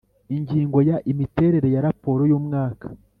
Ingingo ya Imiterere ya raporo y umwaka